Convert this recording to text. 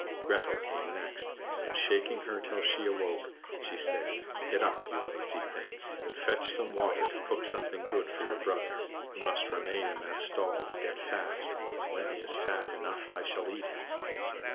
Gretel came next, and, shaking her till she awoke, she said, "Get up, you lazy thing, and fetch some water to cook something good for your brother, who must remain in that stall and get fat; when he is fat enough I shall eat him."